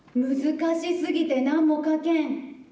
難しすぎてなんもかけん。